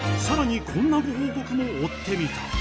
更にこんなご報告も追ってみた。